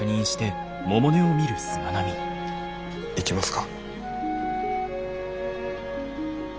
行きますか？